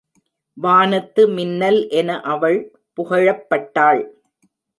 வானத்து மின்னல் என அவள் புகழப்பட்டாள்.